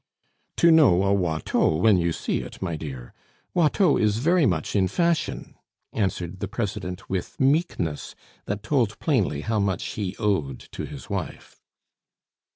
"To know a Watteau when you see it, my dear. Watteau is very much in fashion," answered the President with meekness, that told plainly how much he owed to his wife.